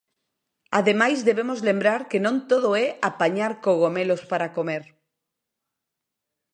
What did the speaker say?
Ademais debemos lembrar que non todo é apañar cogomelos para comer.